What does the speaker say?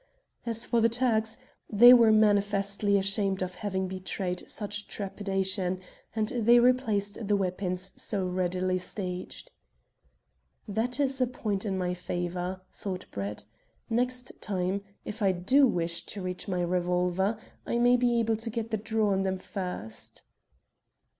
As for the Turks, they were manifestly ashamed of having betrayed such trepidation, and they replaced the weapons so readily staged. "That is a point in my favour," thought Brett. "Next time, if I do wish to reach my revolver, I may be able to get the draw on them first."